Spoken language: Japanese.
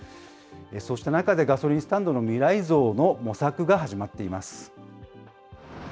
そうした中でガソリンスタンドの未来像の模索が始まっています。